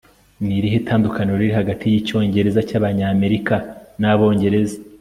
ni irihe tandukaniro riri hagati yicyongereza cyabanyamerika n'abongereza